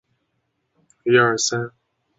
南北三百余里。